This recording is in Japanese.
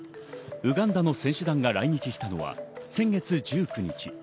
ウガンダの選手団が来日したのは先月１９日。